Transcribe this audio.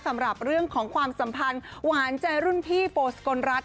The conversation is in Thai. สำหรับเรื่องของความสัมพันธ์หวานใจรุ่นพี่โฟสกลรัฐ